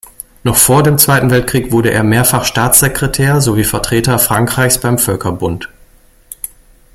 Noch vor dem Zweiten Weltkrieg wurde er mehrfach Staatssekretär sowie Vertreter Frankreichs beim Völkerbund.